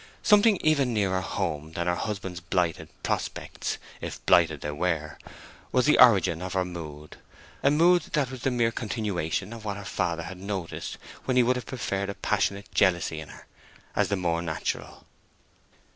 Something even nearer home than her husband's blighted prospects—if blighted they were—was the origin of her mood, a mood that was the mere continuation of what her father had noticed when he would have preferred a passionate jealousy in her, as the more natural.